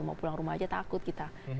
mau pulang rumah aja takut kita